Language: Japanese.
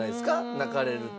泣かれると。